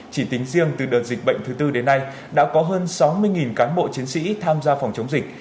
chỉ tính riêng từ đợt dịch bệnh thứ tư đến nay đã có hơn sáu mươi cán bộ chiến sĩ tham gia phòng chống dịch